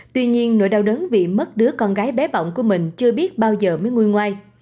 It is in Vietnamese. tuy nhiên nỗi đau đớn vì mất đứa con gái bé bỏng của mình chưa biết bao giờ mới ngôi